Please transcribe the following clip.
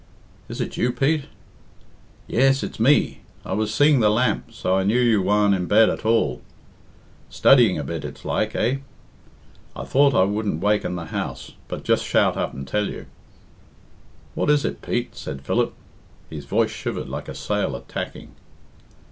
"Is it you, Pete?" "Yes, it's me. I was seeing the lamp, so I knew you war'n in bed at all. Studdying a bit, it's like, eh? I thought I wouldn't waken the house, but just shout up and tell you." "What is it, Pete?" said Philip. His voice shivered like a sail at tacking.